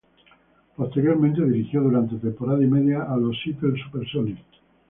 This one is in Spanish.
Posteriormente dirigió durante temporada y media a los Seattle Supersonics.